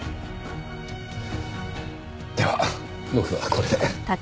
では僕はこれで。